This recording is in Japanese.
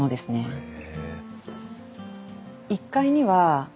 へえ。